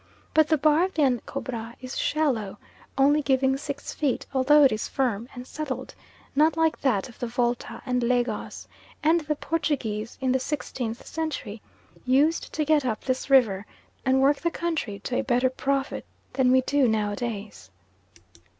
But the bar of the Ancobra is shallow, only giving six feet, although it is firm and settled, not like that of the Volta and Lagos; and the Portuguese, in the sixteenth century, used to get up this river, and work the country to a better profit than we do nowadays.